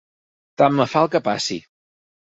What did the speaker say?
Tant me fa el que passi.